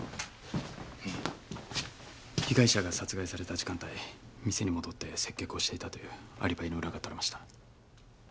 被害者が殺害された時間帯店に戻って接客をしていたというアリバイのウラがとれました。